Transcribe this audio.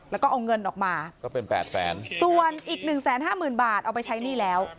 แล้วก็เอาเงินออกมาก็เป็นแปดแสนส่วนอีกหนึ่งแสนห้าหมื่นบาทเอาไปใช้หนี้แล้ว